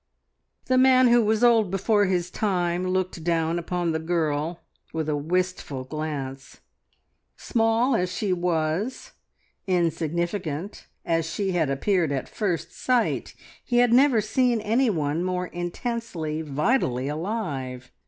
The man who was old before his time looked down upon the girl with a wistful glance. Small as she was, insignificant as she had appeared at first sight, he had never seen any one more intensely, vitally alive.